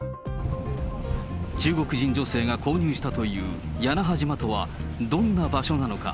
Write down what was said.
中国人女性が購入したという屋那覇島とは、どんな場所なのか。